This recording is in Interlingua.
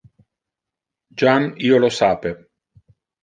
Jam io lo sape.